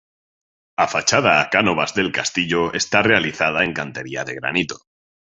A fachada a Cánovas del Castillo está realizada en cantería de granito.